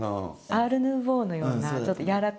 アール・ヌーヴォーのようなちょっと柔らかい形。